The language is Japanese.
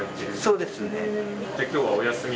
そうです。